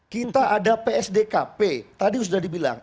kita ada psdkp tadi sudah dibilang